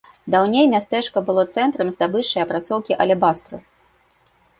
Даўней мястэчка было цэнтрам здабычы і апрацоўкі алебастру.